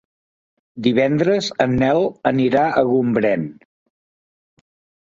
Divendres en Nel irà a Gombrèn.